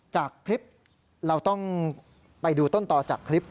จากคลิปเราต้องไปดูต้นต่อจากคลิป